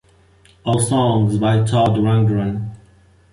All songs by Todd Rundgren.